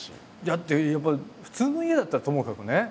だってやっぱり普通の家だったらともかくね